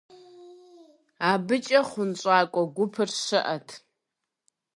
АбыкӀэ хъунщӀакӀуэ гупыр щыӀэт.